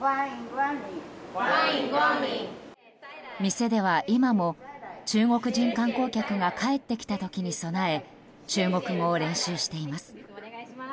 店では今も中国人観光客が帰ってきた時に備え中国語を練習しています。